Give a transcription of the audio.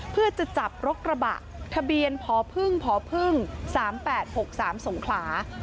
เพื่อจะจับรถกระบะทะเบียนพพ๓๘๖๓สงขลา